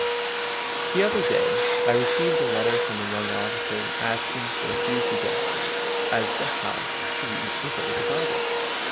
T he Other day I received a letter from a young Officer asking for a few suggestions as to how to read and study the Bible.